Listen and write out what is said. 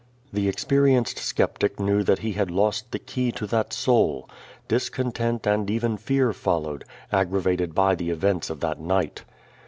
The cxjKjrienced skeptic knew that he had lost the key to that soul. Discontent and even fear followed, aggravated by the events of that niglit.